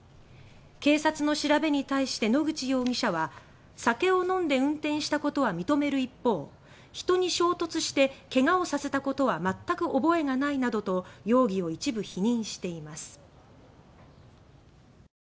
警察の調べに対し野口容疑者は酒を飲んで運転したことは認める一方「人に衝突してけがをさせたことは全く覚えがない」などと容疑を一部否認しています。